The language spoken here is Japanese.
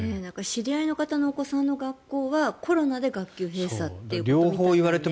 知り合いの方のお子さんの学校はコロナで学級閉鎖ということで。